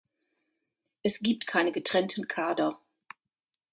Es gibt keine getrennten Kader.